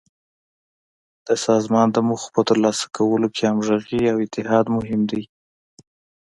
د سازمان د موخو په تر لاسه کولو کې همغږي او اتحاد مهم دي.